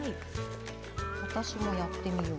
私もやってみよう。